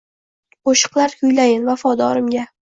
Qo’shiqlar kuylayin vafodorimga